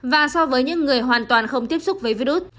và so với những người hoàn toàn không tiếp xúc với virus